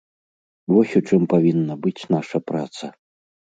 Вось у чым павінна быць наша праца.